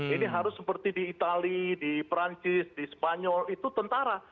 ini harus seperti di itali di perancis di spanyol itu tentara